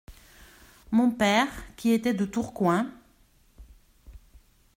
Mon père, qui était de Tourcoing…